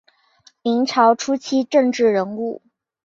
明朝初期政治人物。